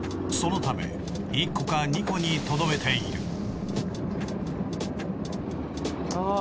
そのため１個か２個にとどめている。